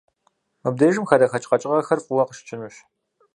Мыбдеж хадэхэкӀ къэкӀыгъэхэр фӀыуэ къыщыкӀынущ.